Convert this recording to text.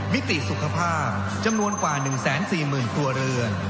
มิติสุขภาพจำนวนกว่า๑๔๐๐๐ครัวเรือน